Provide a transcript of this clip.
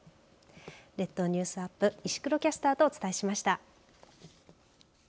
列島ニュースアップ石黒キャスターとお伝えしました。